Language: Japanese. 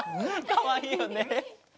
かわいいよね。